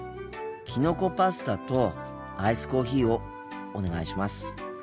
きのこパスタとアイスコーヒーをお願いします。